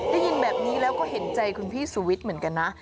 ได้ยินแบบนี้แล้วก็เห็นใจคุณพี่สุวิทย์เหมือนกันนะ